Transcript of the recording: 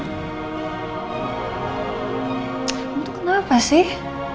kamu tuh kenapa sih